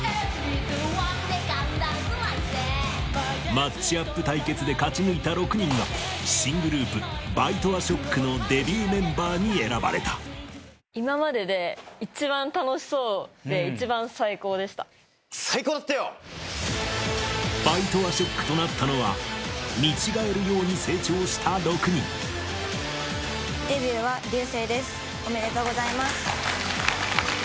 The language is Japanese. マッチアップ対決で勝ち抜いた６人が新グループＢｉＴＥＡＳＨＯＣＫのデビューメンバーに選ばれたＢｉＴＥＡＳＨＯＣＫとなったのは見違えるように成長した６人おめでとうございます。